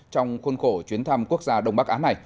trong khuôn khổ chuyến thăm quốc gia đông bắc á này